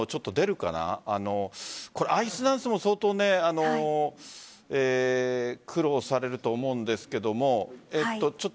アイスダンスも相当苦労されると思うんですけど。